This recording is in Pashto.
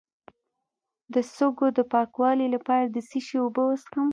د سږو د پاکوالي لپاره د څه شي اوبه وڅښم؟